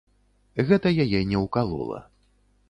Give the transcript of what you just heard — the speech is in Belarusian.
Гэта яе не ўкалола.